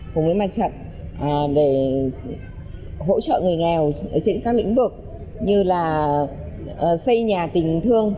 cùng với mặt trận để hỗ trợ người nghèo trên các lĩnh vực như là xây nhà tình thương